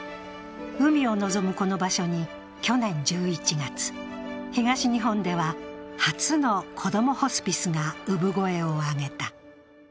海を臨むこの場所に去年１１月、東日本では初のこどもホスピスが産声を上げた。